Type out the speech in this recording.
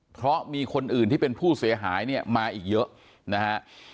เพราะมีคนอื่นที่เป็นผู้เสียหายเนี่ยมาอีกเยอะนะฮะ